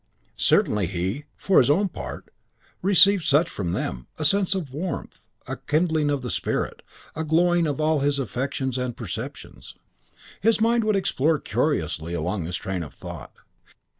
Certainly he, for his own part, received such from them: a sense of warmth, a kindling of the spirit, a glowing of all his affections and perceptions. His mind would explore curiously along this train of thought.